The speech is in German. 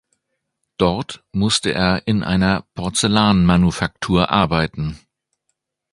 Dort musste er in einer Porzellanmanufaktur arbeiten.